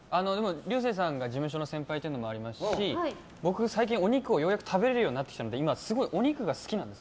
竜星さんが、事務所の先輩というのもありますし僕、最近お肉をようやく食べられるようになったので今、すごいお肉が好きなんです。